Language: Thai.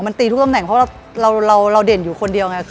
มันตีทุกตำแหน่งเพราะเราเด่นอยู่คนเดียวไง